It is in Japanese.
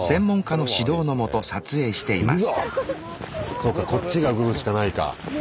そうかこっちが動くしかないか。